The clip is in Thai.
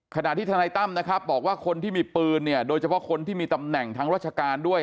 ขณะที่ทนายตั้มนะครับบอกว่าคนที่มีปืนเนี่ยโดยเฉพาะคนที่มีตำแหน่งทางราชการด้วย